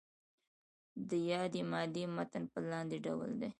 د یادې مادې متن په لاندې ډول دی.